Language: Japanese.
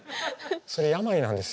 それは病なんですよ。